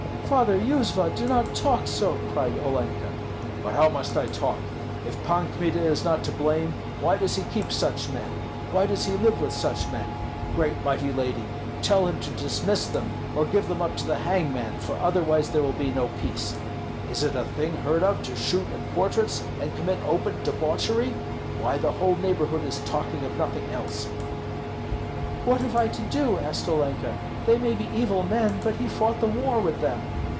"Father Yuzva, do not talk so," cried Olenka. "But how must I talk? If Pan Kmita is not to blame, why does he keep such men, why does he live with such men? Great mighty lady, tell him to dismiss them or give them up to the hangman, for otherwise there will be no peace. Is it a thing heard of to shoot at portraits and commit open debauchery? Why, the whole neighborhood is talking of nothing else." "What have I to do?" asked Olenka. "They may be evil men, but he fought the war with them.